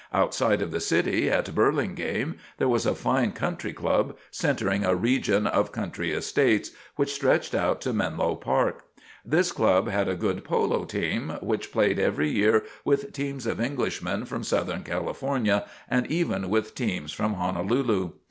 Outside of the city, at Burlingame, there was a fine country club centering a region of country estates which stretched out to Menlo Park. This club had a good polo team, which played every year with teams of Englishmen from southern California and even with teams from Honolulu.